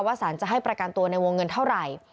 สารจะให้ประกันตัวในวงเงินเท่าไหร่